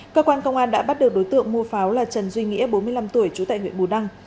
cơ quan công an đã bắt được đối tượng mua pháo là trần duy nghĩa bốn mươi năm tuổi trú tại huyện bù đăng